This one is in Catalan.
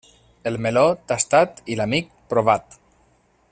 El meló, tastat, i l'amic, provat.